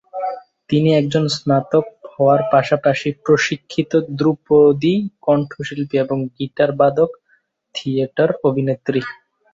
তিনি একজন স্নাতক হওয়ার পাশাপাশি প্রশিক্ষিত ধ্রুপদী কণ্ঠশিল্পী এবং গিটার বাদক, থিয়েটার অভিনেত্রী।